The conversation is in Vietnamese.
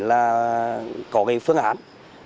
là có cái phương án